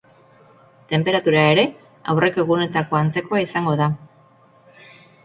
Tenperatura ere, aurreko egunetako antzekoa izango da.